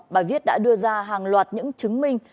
bài viết đã đưa ra hàng loạt những chứng minh